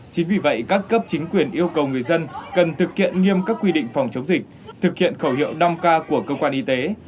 chính vì vậy các cấp chính quyền yêu cầu người dân cần thực hiện nghiêm các quy định phòng chống dịch thực hiện khẩu hiệu năm k của cơ quan y tế